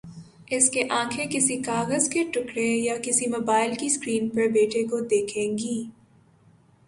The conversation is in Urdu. اس کے آنکھیں کسی کاغذ کے ٹکڑے یا کسی موبائل کی سکرین پر بیٹے کو دیکھیں گی۔